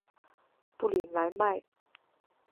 布吕莱迈。